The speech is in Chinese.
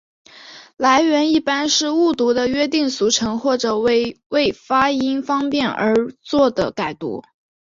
来源一般是误读的约定俗成或者为发音方便而作的改读。